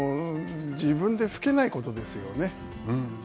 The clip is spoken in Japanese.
自分でふけないことですよね。